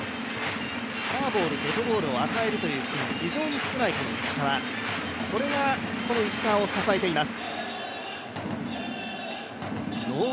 フォークボール、デッドボールを与えるシーンが少ないそれがこの石川を支えています。